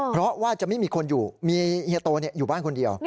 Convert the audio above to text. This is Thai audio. เพราะว่าจะไม่มีคนอยู่มีเฮียโตอยู่บ้านคนเดียว